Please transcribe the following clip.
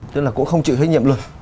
tức là cũng không chịu hơi nhiệm luôn